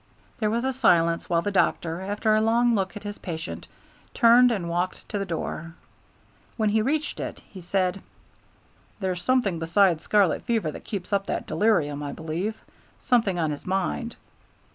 There was a silence while the doctor, after a long look at his patient, turned and walked to the door. When he reached it he said: "There's something beside scarlet fever that keeps up that delirium, I believe; something on his mind.